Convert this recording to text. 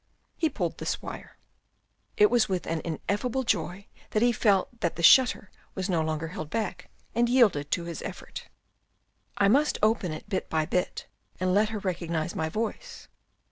He pulled this wire. It was with an ineffable joy that he felt that the shutter was no longer held back, and yielded to his effort. I must open it bit by bit and let her recognise my voice.